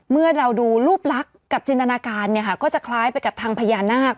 เมื่อเราดูรูปลักษณ์กับจินตนาการเนี่ยค่ะก็จะคล้ายไปกับทางพญานาค